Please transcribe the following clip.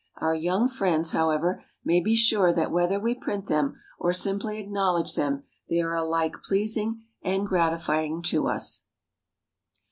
Our young friends, however, may be sure that whether we print them or simply acknowledge them, they are alike pleasing and gratifying to us.